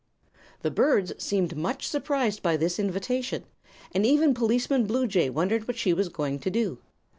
The birds seemed much surprised by this invitation, and even Policeman Bluejay wondered what she was going to do.